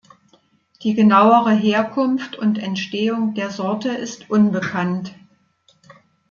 Die genauere Herkunft und Entstehung der Sorte ist unbekannt.